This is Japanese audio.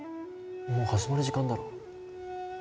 もう始まる時間だろ。